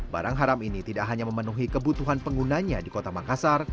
barang haram ini tidak hanya memenuhi kebutuhan penggunanya di kota makassar